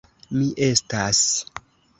Mi estas.